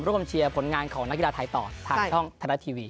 เชียร์ผลงานของนักกีฬาไทยต่อทางช่องไทยรัฐทีวี